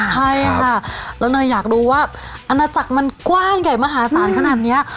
ใช่ค่ะแล้วเนยอยากรู้ว่าอาณาจักรมันกว้างใหญ่มหาศาลขนาดนี้